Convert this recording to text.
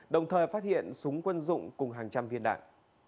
đồng thời phát hiện súng quân dụng cùng hàng trăm viên đạn